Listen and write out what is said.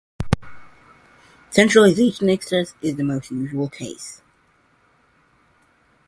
Centralisation excess is the most usual case.